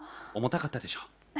重たかったでしょ。